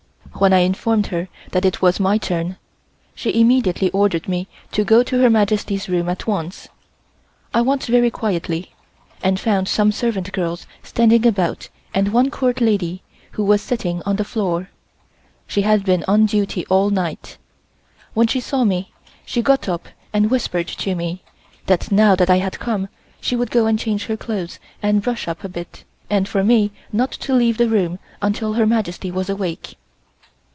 When I informed her that it was my turn, she immediately ordered me to go to Her Majesty's room at once. I went very quietly and found some servant girls standing about and one Court lady, who was sitting on the floor. She had been on duty all night. When she saw me she got up and whispered to me, that now that I had come, she would go and change her clothes and brush up a bit, and for me not to leave the room until Her Majesty was awake.